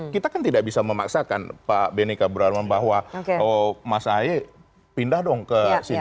kita kan tidak bisa memaksakan pak benny kaburan bahwa mas ahy pindah dong ke sini